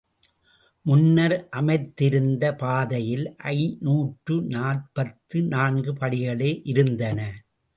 முன்னர் அமைத்திருந்த பாதையில் ஐநூற்று நாற்பத்து நான்கு படிகளே இருந்தன.